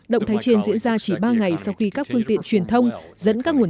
động thái trên diễn ra chỉ ba ngày sau khi các phương tiện truyền thông dẫn các nguồn